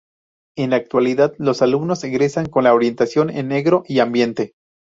En la actualidad, los alumnos egresan con la orientación en Agro y Ambiente.